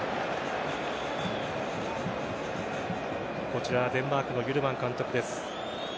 こちらデンマークのユルマン監督です。